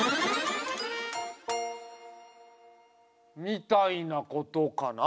みたいなことかな？